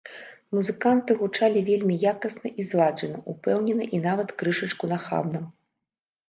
Музыканты гучалі вельмі якасна і зладжана, упэўнена і нават крышачку нахабна.